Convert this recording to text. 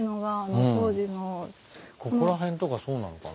ここら辺とかそうなのかな？